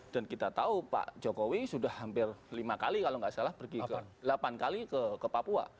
dan kita tahu pak jokowi sudah hampir lima kali kalau gak salah pergi delapan kali ke papua